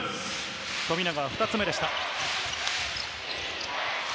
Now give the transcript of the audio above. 富永は２つ目でした。